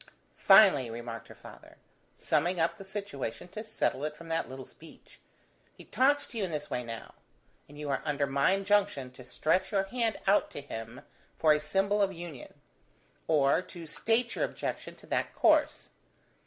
"Finally," remarked her father, summing up the situation to settle it from that little speech, "he talks to you in this way now; and you are under my injunction to stretch your hand out to him for a symbol of union, or to state your objection to that course.